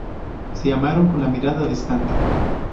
Se amaron con la mirada distante.